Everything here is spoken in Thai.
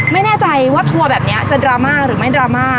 ไม่แน่ใจว่าทัวร์แบบนี้จะดราม่าหรือไม่ดราม่า